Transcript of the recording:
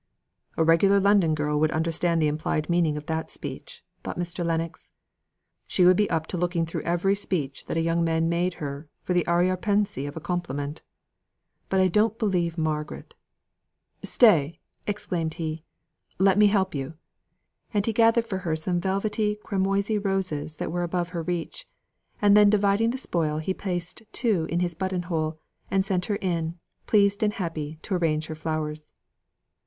"A regular London girl would understand the implied meaning of that speech," thought Mr. Lennox. "She would be up to looking through every speech that a young man made her for the arrière pensée of a compliment. But I don't believe Margaret, Stay!" exclaimed he, "Let me help you;" and he gathered for her some velvety cramoisy roses that were above her reach, and then dividing the spoil he placed two in his button hole, and sent her in, pleased and happy, to arrange her flowers.